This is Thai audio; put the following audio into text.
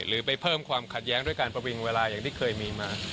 หรือไปเพิ่มความขัดแย้งด้วยการประวิงเวลาอย่างที่เคยมีมา